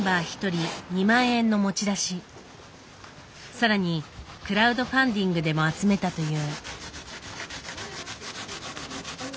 更にクラウドファンディングでも集めたという。